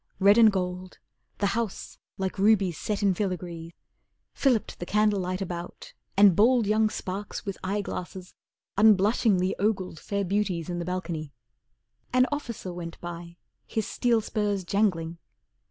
Red and gold, The house, like rubies set in filigree, Filliped the candlelight about, and bold Young sparks with eye glasses, unblushingly Ogled fair beauties in the balcony. An officer went by, his steel spurs jangling.